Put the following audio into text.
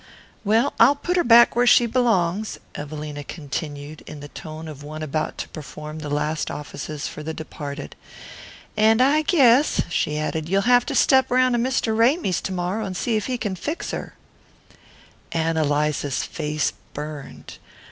"Well, I'll put her back where she belongs," Evelina continued, in the tone of one about to perform the last offices for the departed. "And I guess," she added, "you'll have to step round to Mr. Ramy's to morrow, and see if he can fix her." Ann Eliza's face burned.